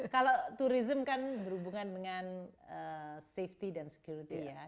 kalau turism kan berhubungan dengan safety dan security ya